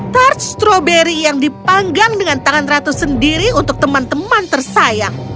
tart stroberi yang dipanggang dengan tangan ratu sendiri untuk teman teman tersayang